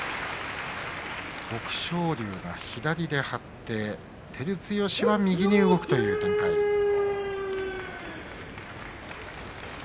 徳勝龍が左で張って照強は右に動くという展開でした。